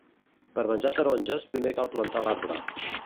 Per menjar taronges primer cal plantar l'arbre